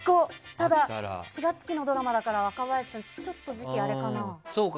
ただ、４月期のドラマだから若林さん、ちょっと時期あれかな。